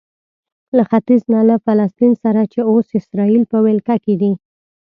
له ختیځ نه له فلسطین سره چې اوس اسراییل په ولکه کې دی.